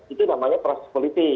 itu namanya proses politik